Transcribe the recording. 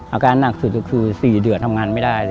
อาการหนักสุดก็คือ๔เดือนทำงานไม่ได้